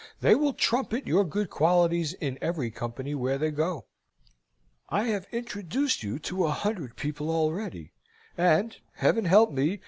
They will trumpet your good qualities in every company where they go. I have introduced you to a hundred people already, and, Heaven help me!